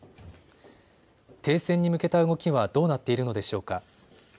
停戦に向けた動きはどうなっているのでしょうか。